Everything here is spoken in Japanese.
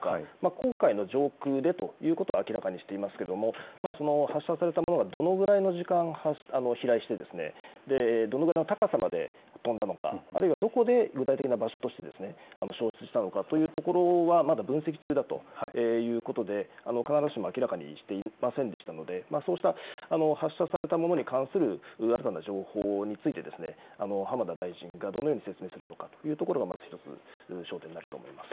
黄海の上空でということを明らかにしていますけれども、その発射されたものがどのぐらいの時間飛来して、どのぐらいの高さまで飛んだのか、あるいはどこで、具体的な場所として、消失したのかというところは、まだ分析中だということで、必ずしも明らかにはしていませんでしたので、そうした発射されたものに関する新たな情報について、浜田大臣がどのように説明するのかというところが、まず一つ焦点になると思います。